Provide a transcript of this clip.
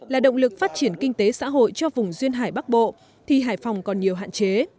là động lực phát triển kinh tế xã hội cho vùng duyên hải bắc bộ thì hải phòng còn nhiều hạn chế